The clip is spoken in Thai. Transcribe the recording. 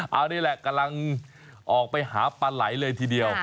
เอานี่แหละกำลังออกไปหาปลาไหลเลยทีเดียว